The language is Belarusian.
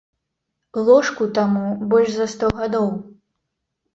Ложку таму больш за сто гадоў.